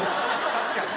確かに。